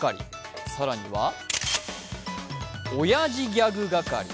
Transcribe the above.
更には、おやじギャグ係。